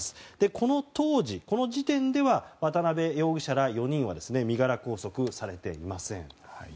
この当時、この時点では渡邉容疑者ら４人は身柄を拘束されていません。